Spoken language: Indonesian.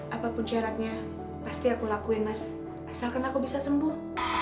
apapun syaratnya pasti aku lakuin mas asalkan aku bisa sembuh